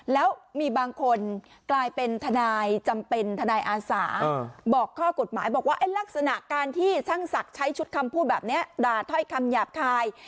แล้วมีบางคนกลายเป็นทนายจำเป็นทนายอาสาบอกข้อกฎหมายบอกว่าลักษณะการที่ช่างศักดิ์ใช้ชุดคำพูดแบบนี้ด่าถ้อยคำหยาบคาย